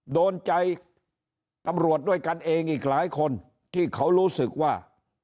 โดนใจตำรวจด้วยกันเองอีกหลายคนที่เขารู้สึกว่า